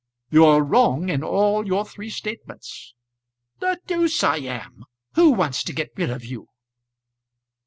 "You're wrong in all your three statements." "The deuce I am! Who wants to get rid of you?"